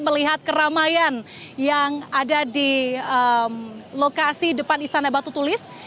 melihat keramaian yang ada di lokasi depan istana batu tulis